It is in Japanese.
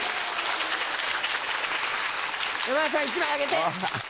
山田さん１枚あげて！